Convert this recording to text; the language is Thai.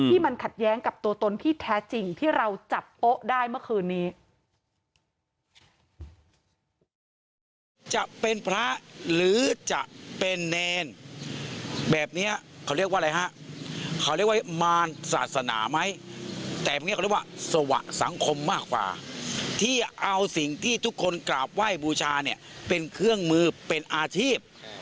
มันขัดแย้งกับตัวตนที่แท้จริงที่เราจับโป๊ะได้เมื่อคืนนี้